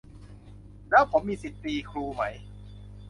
แล้วผมมีสิทธิ์ตีครูไหม